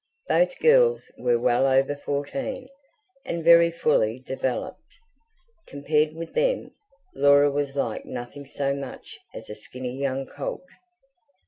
Both girls were well over fourteen, and very fully developed: compared with them, Laura was like nothing so much as a skinny young colt.